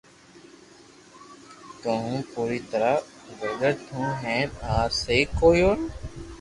تو ھون پوري طرح گلت ھون ھين آ سھي ڪوئي نو